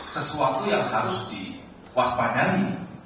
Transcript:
sesuatu yang harus diwaspadai